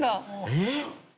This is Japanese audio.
えっ？